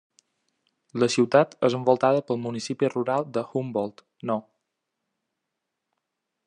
La ciutat és envoltada pel Municipi Rural de Humboldt No.